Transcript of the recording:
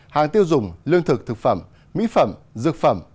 hàng tiêu dùng lương thực thực phẩm mỹ phẩm dược phẩm